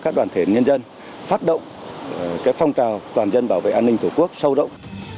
các đoàn thể nhân dân phát động phong trào toàn dân bảo vệ an ninh tổ quốc sâu rộng